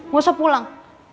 gak usah pulang